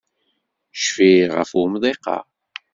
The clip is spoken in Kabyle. Cfiɣ ɣef umḍiq-a.